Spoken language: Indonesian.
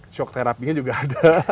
shock therapy nya juga ada